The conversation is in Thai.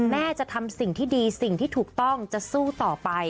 แม่จะทำสิ่งที่ดีสิ่งที่ถูกต้องจะสู้ต่อไป